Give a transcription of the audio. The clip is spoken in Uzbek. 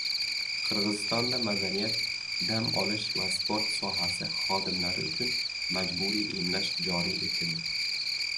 Qirg‘izistonda madaniyat, dam olish va sport sohasi xodimlari uchun majburiy emlash joriy etildi